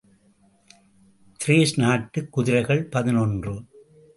திரேஸ் நாட்டுக் குதிரைகள் பதினொன்று .